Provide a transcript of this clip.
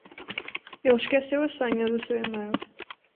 Ele esqueceu a senha do seu e-mail.